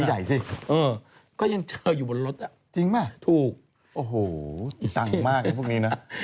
ไม่ใหญ่สิเออแล้วก็ยังเจออยู่บนรถอะถูกโอ้โหตังมากนะพวกนี้น้ะ